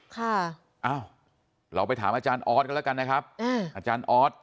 ค่ะอ้าวเราไปถามอาจารย์ออสกันแล้วกันนะครับอืมอาจารย์ออส